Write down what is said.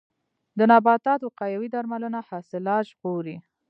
د نباتاتو وقایوي درملنه حاصلات ژغوري.